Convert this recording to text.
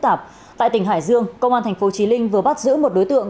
tại tỉnh hải dương công an tp chí linh vừa bắt giữ một đối tượng